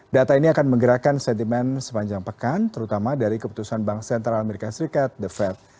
data ini akan menggerakkan sentimen sepanjang pekan terutama dari keputusan bank sentral amerika serikat the fed